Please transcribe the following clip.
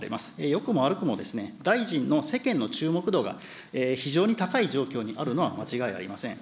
よくも悪くも大臣の世間の注目度が非常に高い状況にあるのは間違いありません。